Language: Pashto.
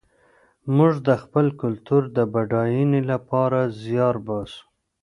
موږ د خپل کلتور د بډاینې لپاره زیار باسو.